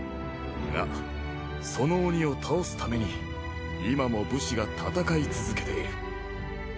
がその鬼を倒すために今も武士が戦い続けている。